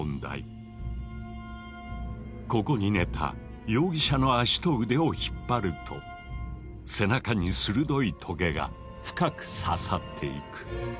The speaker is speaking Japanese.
ここに寝た容疑者の足と腕を引っ張ると背中に鋭いとげが深く刺さっていく。